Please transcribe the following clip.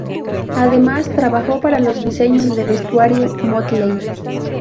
Además trabajó para los diseños de vestuario Motley.